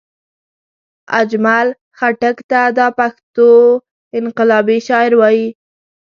اجمل خټګ ته دا پښتو انقلابي شاعر وايي